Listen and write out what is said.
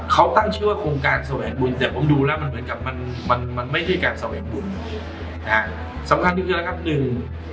เขาตั้งชื่อว่ามีโกงการและสวัสดีต่างต่างเพิ่มนึง